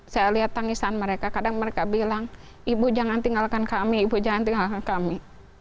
saya lihat tangisan mereka kadang mereka bilang ibu jangan tinggalkan kami ibu jangan tinggalkan kami